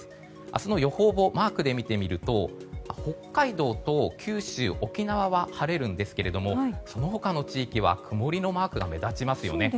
明日の予報をマークで見てみると北海道と九州、沖縄は晴れるんですがその他の地域は曇りのマークが目立ちますよね。